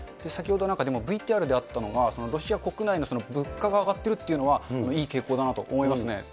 先ほど、ＶＴＲであったのが、ロシア国内の物価が上がっているっていうのは、いい傾向だなと思いますね。